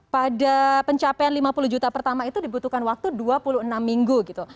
pada pencapaian lima puluh juta pertama itu dibutuhkan waktu dua puluh enam minggu gitu